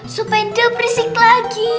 supaya ndeh berisik lagi